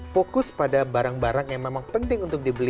fokus pada barang barang yang memang penting untuk dibeli